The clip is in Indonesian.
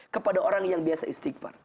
kepada orang yang biasa istighfar